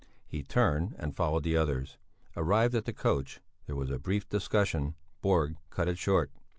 He turned and followed the others. Arrived at the coach, there was a brief discussion. Borg cut it short.